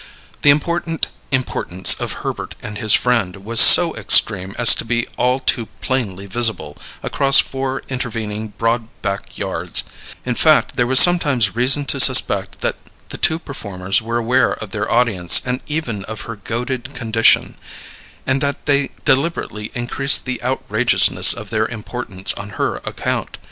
The important importance of Herbert and his friend was so extreme as to be all too plainly visible across four intervening broad back yards; in fact, there was sometimes reason to suspect that the two performers were aware of their audience and even of her goaded condition; and that they deliberately increased the outrageousness of their importance on her account.